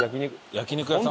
焼肉屋さん。